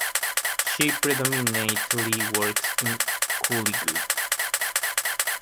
She predominately works in Kollywood.